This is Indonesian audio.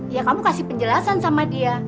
ya kamu kasih penjelasan sama dia